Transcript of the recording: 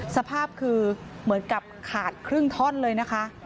สภาพคือเหมือนกับขาดครึ่งท่อนเลยนะคะ